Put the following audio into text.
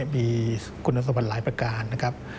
มีคุณสมบัติหลายประการนะครับ